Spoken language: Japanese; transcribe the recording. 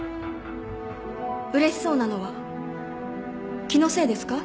うれしそうなのは気のせいですか？